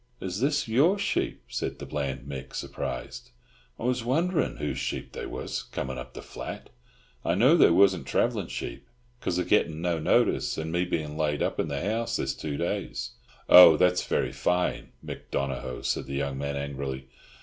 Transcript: "Is thim your sheep?" said the bland Mick, surprised. "I wuz wondherin' whose sheep they wuz, comin' up the flat. I knew they wuzn't travellin' sheep, 'cause of gettin' no notice, an me bein' laid up in the house this two days—" "Oh, that's all very fine, Mick Donohoe?" said the young man angrily.